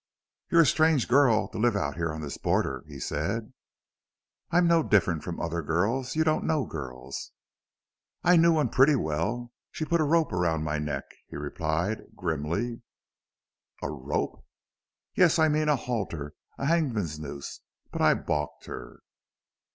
"You're a strange girl to live out here on this border," he said. "I'm no different from other girls. You don't know girls." "I knew one pretty well. She put a rope round my neck," he replied, grimly. "A rope!" "Yes, I mean a halter, a hangman's noose. But I balked her!"